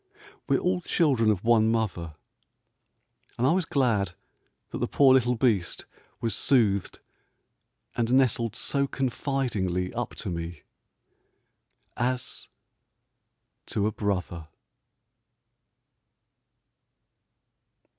We are all children of one mother, and I was glad that the poor little beast was soothed and nestled so confidingly up to me, as to a brother.